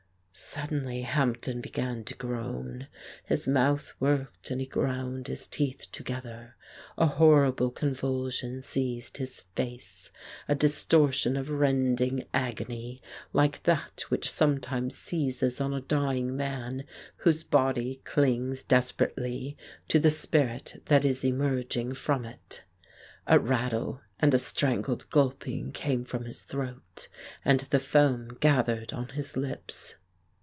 Suddenly Hampden began to groan. His mouth worked, and he ground his teeth together. A hor rible convulsion seized his face, a distortion of rend ing agony, like that which sometimes seizes on a dying man whose body clings desperately to the spirit that is emerging from it. A rattle and a strangled gulping came from his throat, and the foam gathered on his lips.